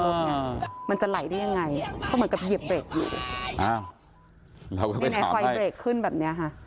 อ้าวมันจะไหลได้ยังไงเขาเหมือนกับเหยียบเบรกอยู่อ้าวเราก็ไปถามให้ไฟเบรกขึ้นแบบเนี้ยฮะ